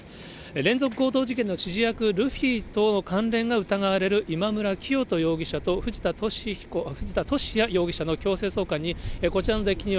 連続強盗事件の指示役、ルフィとの関連が疑われる今村磨人容疑者と藤田聖也容疑者の強制送還に、こちらのデッキには、